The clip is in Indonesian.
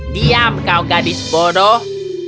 diam kau gadis bodoh